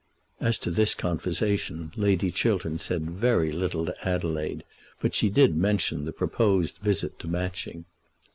As to this conversation Lady Chiltern said very little to Adelaide, but she did mention the proposed visit to Matching.